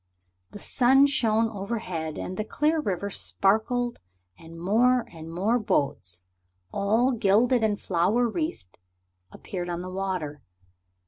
The sun shone overhead and the clear river sparkled and more and more boats, all gilded and flower wreathed, appeared on the water.